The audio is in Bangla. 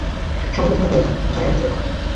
সমবেদনার প্রয়োজন জয়ার নিজেরও কম নয়।